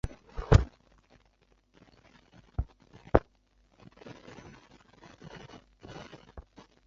本列表为中华人民共和国驻阿塞拜疆历任大使名录。